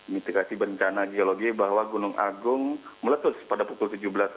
mitigasi bencana geologi bahwa gunung agung meletus pada pukul tujuh belas tiga puluh